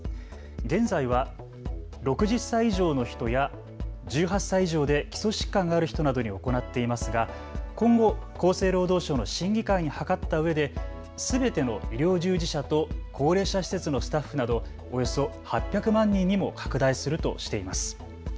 現在は６０歳以上の人や１８歳以上で基礎疾患がある人などに行ってていますが今後、厚生労働省の審議会に諮ったうえですべての医療従事者と高齢者施設のスタッフなどおよそ８００万人にも拡大するとしています。